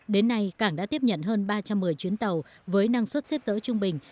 đến nay cảng đã tiếp nhận hơn ba trăm một mươi chuyến tàu với năng suất xếp dỡ trung bình